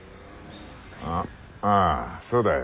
ああそうだよ。